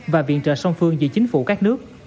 và viện trợ song phương giữa chính phủ các nước